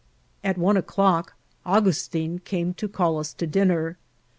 At one o'clock Augustin came to call us to din ner.